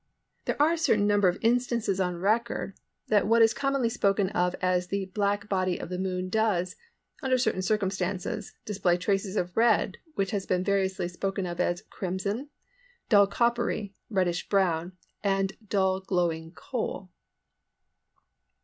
There are a certain number of instances on record that what is commonly spoken of as the black body of the Moon does, under certain circumstances, display traces of red which has been variously spoken of as "crimson," "dull coppery," "reddish brownish" and "dull glowing coal."